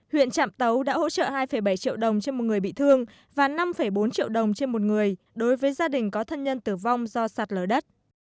huyện trạm tấu đã hỗ trợ hai bảy triệu đồng trên một người bị thương và năm bốn triệu đồng trên một người đối với gia đình có thân nhân tử vong do sạt lở đất